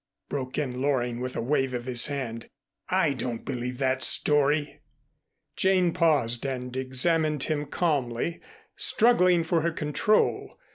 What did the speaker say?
broke in Loring with a wave of his hand. "I don't believe that story." Jane paused and examined him calmly, struggling for her control.